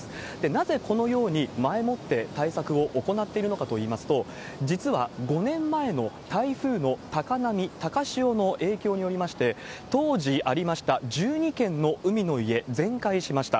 なぜこのように、前もって対策を行っているのかといいますと、実は５年前の台風の高波、高潮の影響によりまして、当時ありました１２軒の海の家、全壊しました。